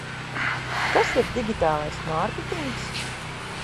Kas ir digitālais mārketings?